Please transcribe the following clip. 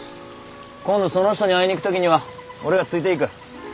今度その人に会いに行く時には俺がついていく。